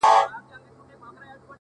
چي په دنيا کي محبت غواړمه _